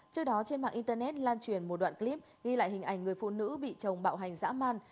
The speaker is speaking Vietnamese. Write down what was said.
trước đó trên mạng internet lan truyền một đoạn clip ghi lại hình ảnh người phụ nữ bị chồng bạo hành dã man